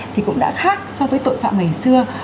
thì cũng đã khác so với tội phạm ngày xưa